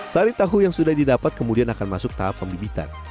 sari tahu yang sudah didapat kemudian akan masuk tahap pembibitan